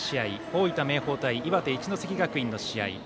大分・明豊対岩手・一関学院の試合。